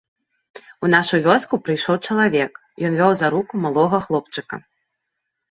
У нашу вёску прыйшоў чалавек, ён вёў за руку малога хлопчыка.